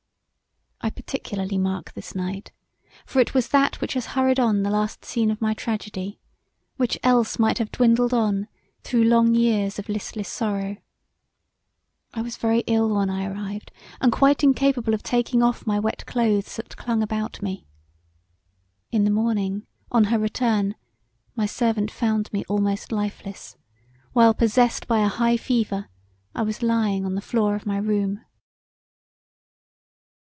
I particularly mark this night, for it was that which has hurried on the last scene of my tragedy, which else might have dwindled on through long years of listless sorrow. I was very ill when I arrived and quite incapable of taking off my wet clothes that clung about me. In the morning, on her return, my servant found me almost lifeless, while possessed by a high fever I was lying on the floor of my room.